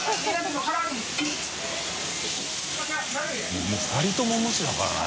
發２人とも無視だからね。